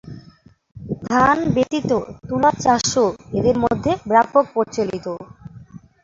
ধান ব্যতীত তুলা চাষও এদের মধ্যে ব্যাপক প্রচলিত।